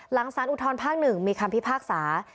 หลังสารอุทธรณภาคหนึ่งมีคำพิพากษา